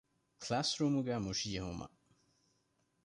ކްލާސްރޫމުގައި މުށި ޖެހުމަށް